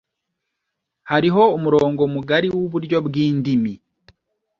Hariho umurongo mugari wuburyo bwindimi